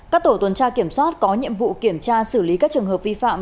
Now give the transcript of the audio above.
các tổ tuần tra kiểm soát có nhiệm vụ kiểm tra xử lý các trường hợp vi phạm